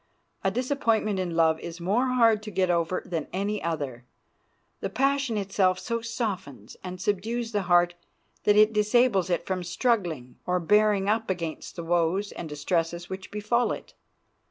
A disappointment in love is more hard to get over than any other; the passion itself so softens and subdues the heart that it disables it from struggling or bearing up against the woes and distresses which befall it.